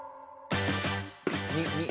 「２」「２」。